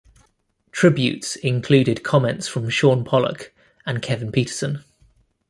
Tributes included comments from Shaun Pollock and Kevin Pietersen.